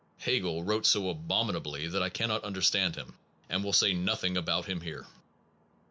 1 Hegel wrote so tics and Hegel abominably that I cannot under stand him, and will say nothing about him liere.